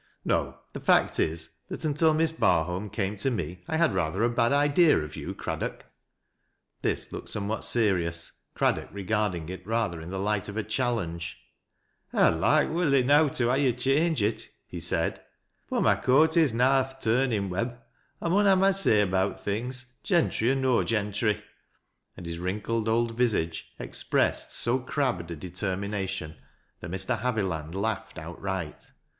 " No, the fact is that until Miss Barholm came to me 1 liad rather a bad idea of you, Craddock." This looked somewhat serious, Craddock regarding it rather in the light of a challenge. " I'd loike well enow to ha' yc' change it," he said, " but my coat is na o' th' turnin' web. I mun ha' my say about things — ^gentry or no gentry." And his wrinkled eld vis age expressed so crabbed a detei mination that Mr. Havi laud laughed outright.